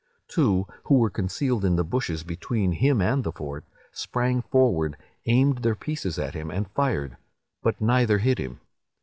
Two, who were concealed in the bushes between him and the fort, sprang forward, aimed their pieces at him, and fired; but neither hit him.